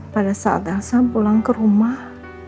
pada saat elsa pulang ke rumah